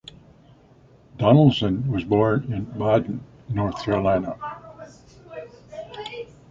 Donaldson was born in Badin, North Carolina.